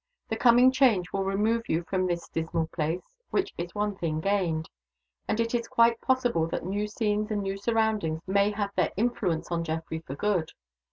The coming change will remove you from this dismal place which is one thing gained. And it is quite possible that new scenes and new surroundings may have their influence on Geoffrey for good.